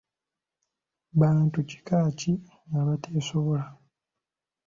Bantu kika ki abateesobola?